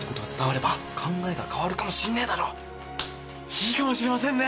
いいかもしれませんね！